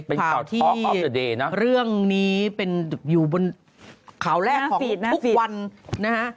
เป็นข่าวที่เดย์นะเรื่องนี้เป็นอยู่บนข่าวแรกของทุกวันนะฮะ